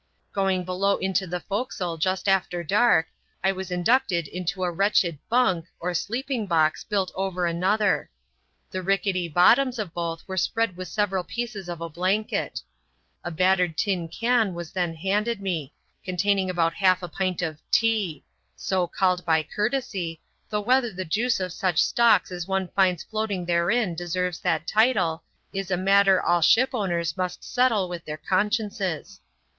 Going below into the forecastle just after dark, I was in ducted into a wretched " bunk " or sleeping box built over an other. The rickety bottoms of both were spread with several pieces of a blanket. A battered tin can was then handed me, containing about half a pint of " tea "— so called by courtesy, though whether the juice of such stalks as one finds floating therein deserves that title, is a matter all ship owners must settle with their consciences.